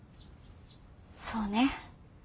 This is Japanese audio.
そうね。